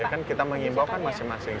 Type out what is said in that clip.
ya kan kita menghimbaukan masing masing